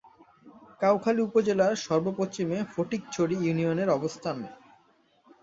কাউখালী উপজেলার সর্ব-পশ্চিমে ফটিকছড়ি ইউনিয়নের অবস্থান।